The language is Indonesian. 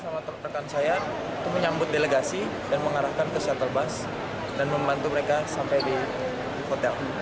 menyambut delegasi dan mengarahkan ke shuttle bus dan membantu mereka sampai di hotel